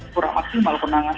kurang maksimal penanganan